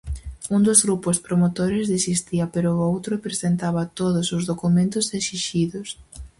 Un dos grupos promotores desistía pero o outro presentaba todos os documentos esixidos.